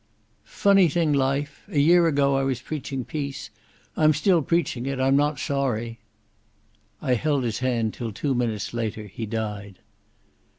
"Funny thing life. A year ago I was preaching peace.... I'm still preaching it.... I'm not sorry." I held his hand till two minutes later he died.